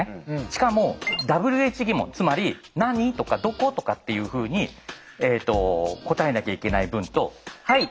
しかもＷＨ疑問つまり「何？」とか「どこ？」とかっていうふうに答えなきゃいけない文と「はい」